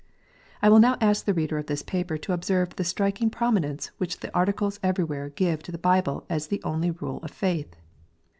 I will now ask the reader of this paper to observe the striking prominence which the Articles everywhere give to the Bible as the only rule of faith.